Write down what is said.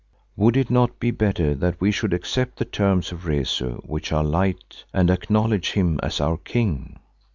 Would it not be better that we should accept the terms of Rezu, which are light, and acknowledge him as our king?"